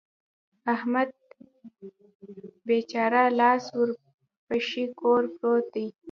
احمد بېچاره لاس و پښې کور پروت دی.